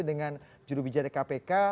dengan juru bijare kpk